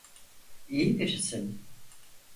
İyi birisin.